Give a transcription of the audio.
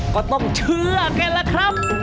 ก็ต้องเชื่อแกละครับ